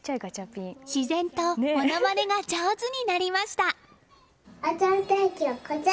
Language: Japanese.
自然とものまねが上手になりました。